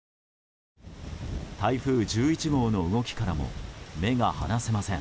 台風１１号の動きからも目が離せません。